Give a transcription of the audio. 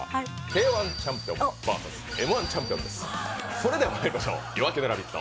それではまいりましょう、「夜明けのラヴィット！」